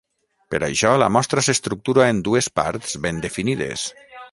Per això, la mostra s’estructura en dues parts ben definides.